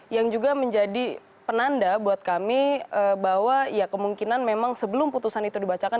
yang juga menjadi penanda buat kami bahwa ya kemungkinan memang sebelum putusan itu dibacakan